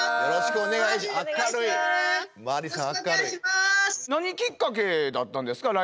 よろしくお願いします。